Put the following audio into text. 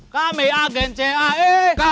kami agen cae